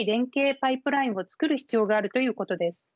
パイプラインを作る必要があるということです。